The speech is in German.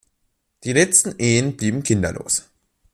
Die letzten Ehen blieben kinderlos.